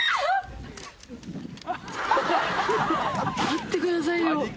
待ってくださいよ。